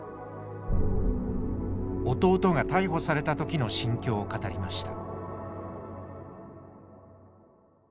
弟が逮捕された時の心境を語りました。